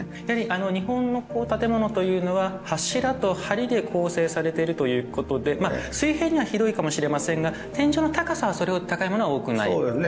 日本の建物というのは柱と梁で構成されているということで水平には広いかもしれませんが天井の高さはそれほど高いものは多くない。